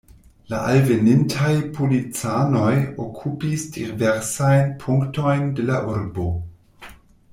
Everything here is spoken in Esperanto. La alvenintaj policanoj okupis diversajn punktojn de la urbo.